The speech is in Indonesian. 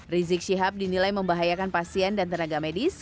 rizik syihab dinilai membahayakan pasien dan tenaga medis